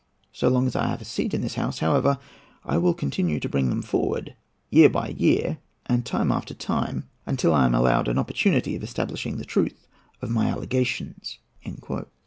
So long as I have a seat in this House, however, I will continue to bring them forward, year by year and time after time, until I am allowed the opportunity of establishing the truth of my allegations."